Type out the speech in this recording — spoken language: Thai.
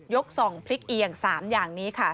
ส่องพริกเอียง๓อย่างนี้ค่ะ